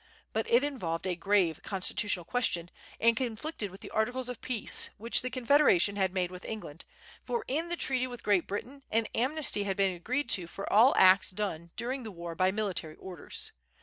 But it involved a grave constitutional question, and conflicted with the articles of peace which the Confederation had made with England; for in the treaty with Great Britain an amnesty had been agreed to for all acts done during the war by military orders.